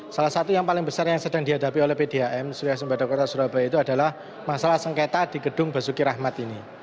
salah satu yang paling besar yang sedang dihadapi oleh pdhm suasembada kota surabaya itu adalah masalah sengketa di gedung basuki rahmat ini